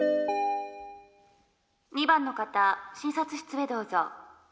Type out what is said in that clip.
「２番の方診察室へどうぞ」。